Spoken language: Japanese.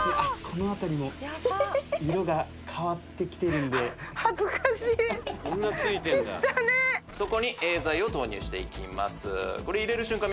このあたりも色が変わってきてるんでそこにＡ剤を投入していきます入れる瞬間